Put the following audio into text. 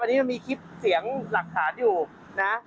อันนี้มันมีคลิปเสียงหลักฐานอยู่นะ